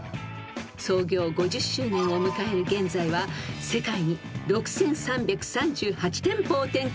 ［創業５０周年を迎える現在は世界に６，３３８店舗を展開］